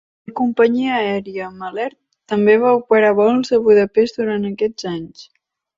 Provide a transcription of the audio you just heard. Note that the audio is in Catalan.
La companyia aèria Malert també va operar vols a Budapest durant aquests anys.